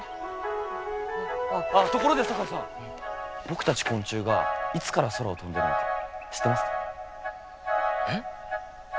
あっところで堺さん僕たち昆虫がいつから空を飛んでるのか知ってますか？